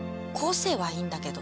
生はいいんだけど。